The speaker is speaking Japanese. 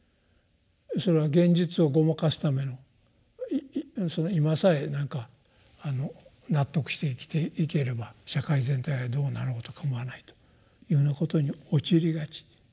それは現実をごまかすための今さえ何か納得して生きていければ社会全体がどうなろうとかまわないというようなことに陥りがち。